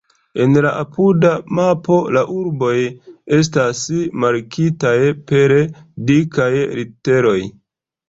En la apuda mapo la urboj estas markitaj per dikaj literoj.